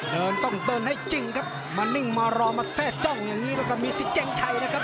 เดินต้องเปิดให้จริงครับวันนิ่งมารอมาแสทจ้องนี่มีศิเจมชัยนะครับ